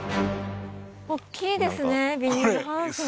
大きいですねビニールハウス。